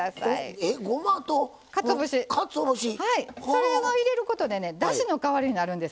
それを入れることでねだしの代わりになるんですわ。